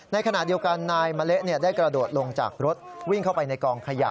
ในขณะเดียวกันนายมะเละได้กระโดดลงจากรถวิ่งเข้าไปในกองขยะ